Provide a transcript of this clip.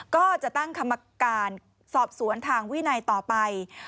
ก็จะตั้งกรรมการสอบสวนทางวินัยต่อไป